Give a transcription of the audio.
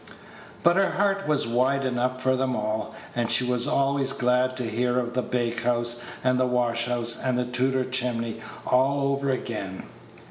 But her heart was wide enough for them all, and she was always glad to hear of the bake house, and wash house, and the Tudor chimney all over again.